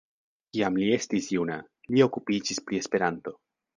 Kiam li estis juna, li okupiĝis pri Esperanto.